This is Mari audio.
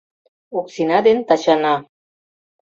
Оксина ден Тачана: